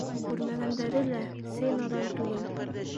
Күрмәгәндәре лә сей наҙан түгел.